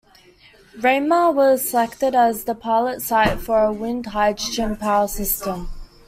Ramea was selected as the pilot site for a Wind-Hydrogen power system.